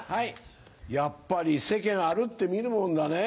やっぱり世間歩ってみるもんだね。